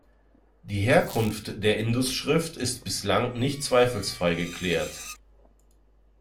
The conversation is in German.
Die Herkunft der Indus-Schrift ist bislang nicht zweifelsfrei geklärt.